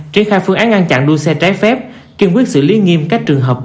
triển khai phương án ngăn chặn đua xe trái phép kiên quyết xử lý nghiêm các trường hợp